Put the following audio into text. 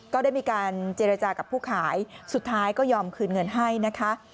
ก็ได้มีการเจรจากับผู้ขายสุดท้ายก็ยอมคืนเงินให้นะคะ